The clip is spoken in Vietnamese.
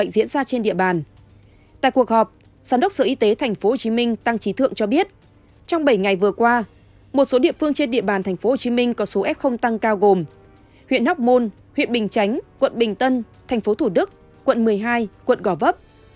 tại cuộc họp giám đốc sở y tế tp hcm tăng trí thượng cho biết trong bảy ngày vừa qua một số địa phương trên địa bàn tp hcm có số f tăng cao gồm huyện hóc môn huyện bình chánh quận bình tân tp thủ đức quận một mươi hai quận gò vấp